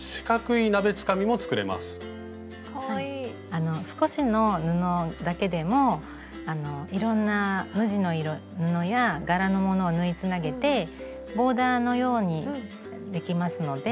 あの少しの布だけでもいろんな無地の布や柄のものを縫いつなげてボーダーのようにできますので。